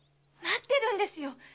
待ってるんですよ！